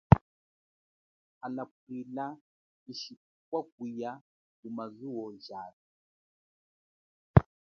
Hala pwila tshishikupwa kuya kumazuwo jathu.